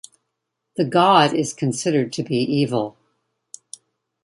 The God is considered to be evil.